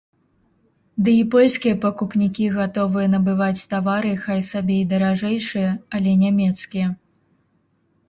Ды і польскія пакупнікі гатовыя набываць тавары хай сабе і даражэйшыя, але нямецкія.